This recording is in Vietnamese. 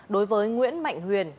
đối với nguyễn mạnh huyền